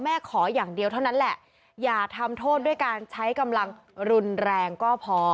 ขออย่างเดียวเท่านั้นแหละอย่าทำโทษด้วยการใช้กำลังรุนแรงก็พอ